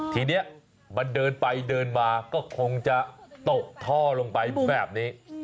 ทีนี้มันเดินไปเดินมาก็คงจะตกท่อลงไปแบบนี้